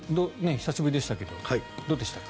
久しぶりでしたがどうでしたか？